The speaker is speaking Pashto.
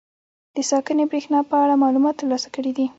د ساکنې برېښنا په اړه معلومات تر لاسه کړي دي.